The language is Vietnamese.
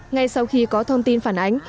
ngay sau khi có thông tin phản ánh